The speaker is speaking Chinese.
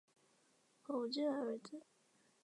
何无忌的儿子。